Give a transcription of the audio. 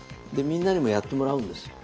みんなにもやってもらうんです。